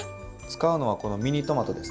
使うのはこのミニトマトですね。